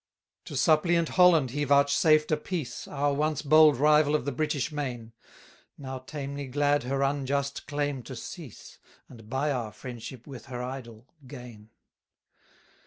21 To suppliant Holland he vouchsafed a peace, Our once bold rival of the British main, Now tamely glad her unjust claim to cease, And buy our friendship with her idol, gain.